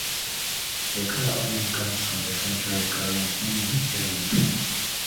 The colour or name comes from the French word "cerise", meaning cherry in French.